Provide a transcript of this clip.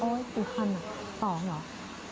อุ๊ยอีกคันตอนเหรอ